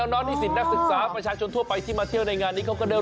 น้อนที่สิทธิ์นักศึกษาประชาชนทั่วไปที่มาเที่ยวในงานนี้